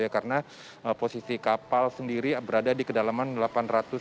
karena posisi kapal sendiri berada di kedalaman delapan meter